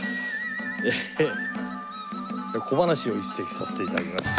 では小噺を一席させて頂きます。